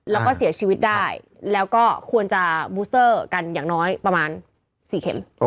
แล้วก็เสียชีวิตได้แล้วก็ควรจะบูสเตอร์กันอย่างน้อยประมาณ๔เข็ม